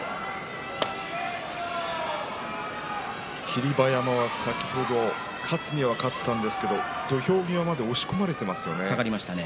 霧馬山は先ほど勝つには勝ったんですが土俵際まで押し込まれていますね。